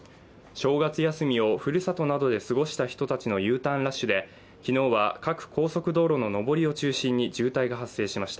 正月休みをふるさとなどで過ごした人たちのＵターンラッシュで昨日は各高速道路の上りを中心に渋滞が発生しました。